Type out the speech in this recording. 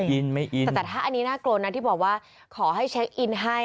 ไม่อินแต่แต่ถ้าอันนี้น่ากลัวนะที่บอกว่าขอให้เช็คอินให้